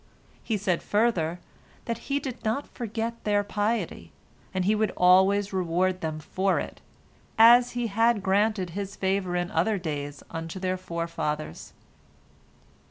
He said further, that He did not forget their piety, and He would always reward them for it, as He had granted His favor in other days unto their forefathers.